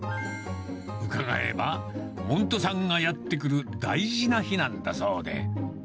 伺えば、門徒さんがやって来る大事な日なんだそうで。